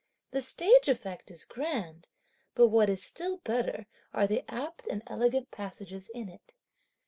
the stage effect is grand, but what is still better are the apt and elegant passages in it."